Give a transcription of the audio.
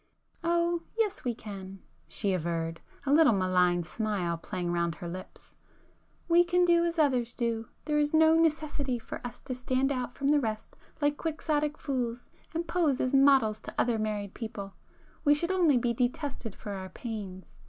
"Oh yes, we can!" she averred, a little malign smile playing round her lips—"We can do as others do,—there is no necessity for us to stand out from the rest like quixotic fools, and pose as models to other married people,—we should only be detested for our pains.